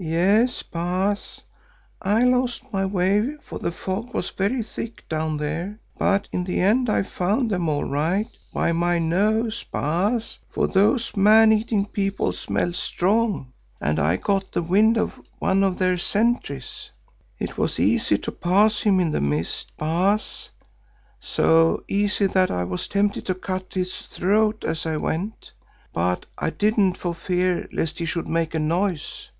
"Yes, Baas, I lost my way for the fog was very thick down there. But in the end I found them all right, by my nose, Baas, for those man eating people smell strong and I got the wind of one of their sentries. It was easy to pass him in the mist, Baas, so easy that I was tempted to cut his throat as I went, but I didn't for fear lest he should make a noise.